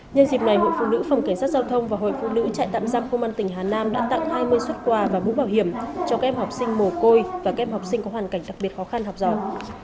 nhân dịp này hội phụ nữ phòng cảnh sát giao thông và hội phụ nữ trại tạm giam công an tỉnh hà nam đã tặng hai mươi xuất quà và mũ bảo hiểm cho các em học sinh mồ côi và các em học sinh có hoàn cảnh đặc biệt khó khăn học giỏi